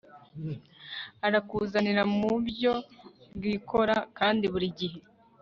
arakuzanira mu buryo bwikora kandi burigihe